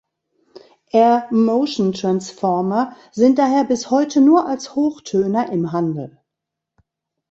Air-Motion-Transformer sind daher bis heute nur als Hochtöner im Handel.